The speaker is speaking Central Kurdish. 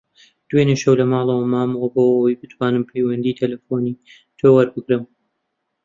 دوێنێ شەو لە ماڵەوە مامەوە بۆ ئەوەی بتوانم پەیوەندیی تەلەفۆنیی تۆ وەربگرم.